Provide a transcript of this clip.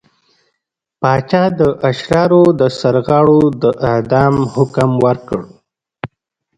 پاچا د اشرارو د سرغاړو د اعدام حکم ورکړ.